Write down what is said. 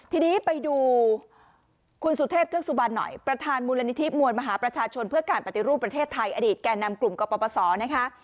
ทีนี้ไปดูคุณสุเทพเทือกสุบันหน่อยประธานมูลนิธิมวลมหาประชาชนเพื่อการปฏิรูปประเทศไทยอดีตแก่นำกลุ่มกปศนะคะ